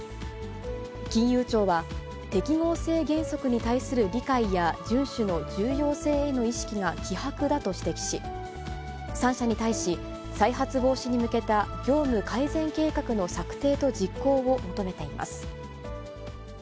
金融庁は、適合性原則に対する理解や順守の重要性への意識が希薄だと指摘し、３社に対し、再発防止に向けた業務改善計画の策定と実行を求めています。